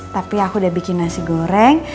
tapi aku udah bikin nasi goreng